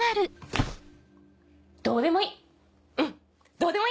どうでもいい！